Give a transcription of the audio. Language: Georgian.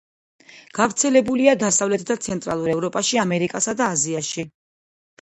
გავრცელებულია დასავლეთ და ცენტრალურ ევროპაში, ამერიკასა და აზიაში.